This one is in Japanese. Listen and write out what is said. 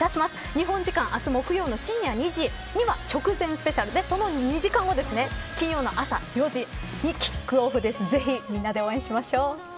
日本時間、木曜の深夜２時には直前スペシャルでその２時間後金曜日の朝４時にキックオフです、ぜひみんなで応援しましょう。